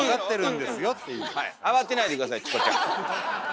慌てないで下さいチコちゃん。